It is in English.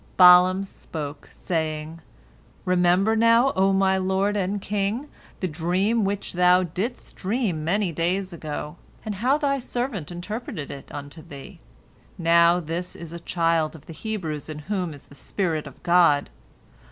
Balaam spoke, saying: "Remember now, O my lord and king, the dream which thou didst dream many days ago, and how thy servant interpreted it unto thee. Now this is a child of the Hebrews in whom is the spirit of God.